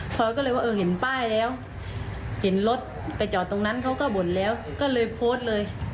พอก็เลยว่าเออเห็นป้ายแล้วเห็นรถไปจอดตรงนั้นเขาก็บ่นแล้วก็เลยโพสต์เลย